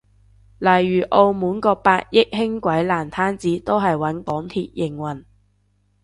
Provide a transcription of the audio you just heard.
例如澳門個百億輕軌爛攤子都係搵港鐵營運？